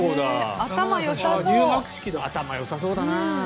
頭よさそうだな。